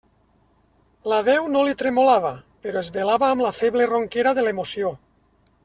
La veu no li tremolava, però es velava amb la feble ronquera de l'emoció.